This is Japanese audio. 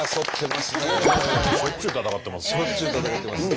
しょっちゅう戦ってます。